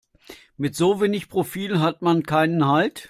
Mit so wenig Profil hat man keinen Halt.